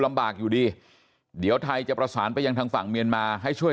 ลำบากอยู่ดีเดี๋ยวไทยจะประสานไปยังทางฝั่งเมียนมาให้ช่วย